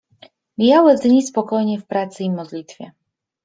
Mijały dni spokojnie w pracy i modlitwie.